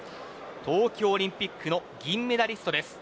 東京オリンピックの銀メダリストです。